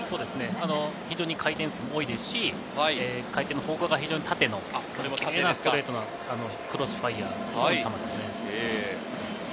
非常に回転数も多いですし、回転の方向も縦のキレイなストレートのクロスファイアですね。